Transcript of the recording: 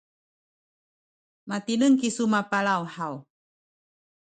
matineng kisu mapalaw haw?